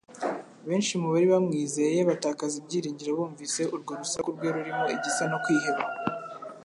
Benshi mu bari bamwizeye batakaza ibyiringiro bumvise urwo rusaku rwe rurimo igisa no kwiheba.